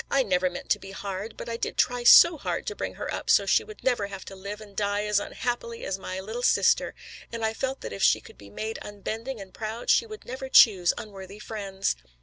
I never meant to be hard, but I did try so hard to bring her up so she would never have to live and die as unhappily as my little sister, and I felt that if she could be made unbending and proud she would never choose unworthy friends."